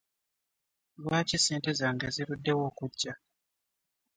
Lwaki ssente zange ziruddewo okugya?